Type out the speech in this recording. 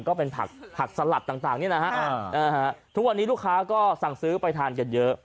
ก็เป็นผักสลัดต่างนี่นะฮะทุกวันนี้ลูกค้าก็สั่งซื้อไปทานกันเยอะ